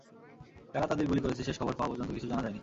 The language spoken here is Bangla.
কারা তাঁদের গুলি করেছে শেষ খবর পাওয়া পর্যন্ত কিছু জানা যায়নি।